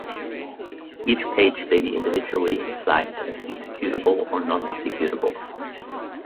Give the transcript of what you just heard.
Each page may be individually flagged as executable or non-executable.